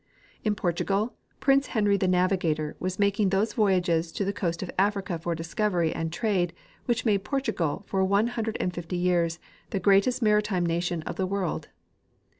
In Portugal, Prince Henry the Navigator Avas making those vo5^ages to the coast of Africa for discover}^ and trade Avhich made Portugal for one hundred and fifty years the greatest maritime na tion of the Avorld.